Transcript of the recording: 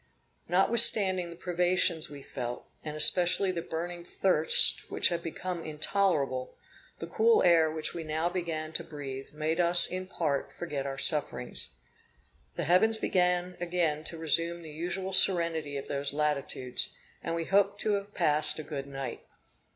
Notwithstanding the privations we felt, and especially the burning thirst which had become intolerable, the cool air which we now began to breathe, made us in part forget our sufferings. The heavens began again to resume the usual serenity of those latitudes, and we hoped to have passed a good night.